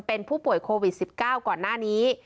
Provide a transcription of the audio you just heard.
เป็นผู้ป่วยโควิด๑๙ก่อนหน้านี้